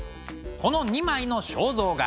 この２枚の肖像画